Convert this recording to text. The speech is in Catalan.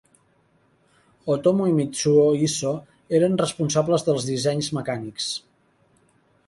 Otomo i Mitsuo Iso eren responsables dels dissenys mecànics.